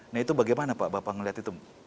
nah itu bagaimana pak bapak melihat itu